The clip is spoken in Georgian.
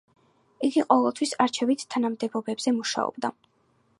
იგი ყოველთვის არჩევით თანამდებობებზე მუშაობდა.